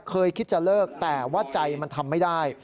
เคยคิดจะเลิกแต่ว่าใจมันทำไม่ได้